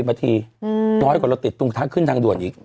นาทีน้อยกว่าเราติดตรงทางขึ้นทางด่วนอีก